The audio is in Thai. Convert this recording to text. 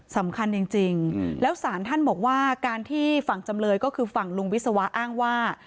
สำคัญจริงแล้วสารท่านบอกว่าการที่ฝั่งจำเลยก็คือฝั่งลุงวิศวะอ้างว่า